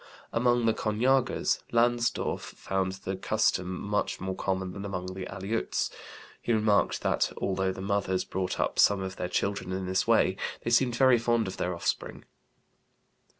Among the Konyagas Langsdorff found the custom much more common than among the Aleuts; he remarks that, although the mothers brought up some of their children in this way, they seemed very fond of their offspring.